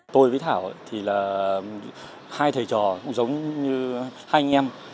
tôi với thảo thì là hai thầy trò cũng giống như hai anh em